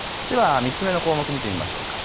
では３つ目の項目、見てみましょう。